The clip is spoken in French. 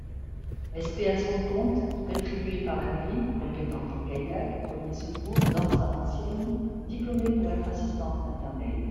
SP à son compte, rétribuée par la mairie, compétente en kayak, premiers secours, danses à l'ancienne, diplomée pour être assistante maternelle.